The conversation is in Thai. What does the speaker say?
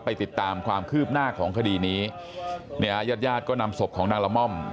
ติดตามความคืบหน้าของคดีนี้เนี่ยญาติญาติก็นำศพของนางละม่อม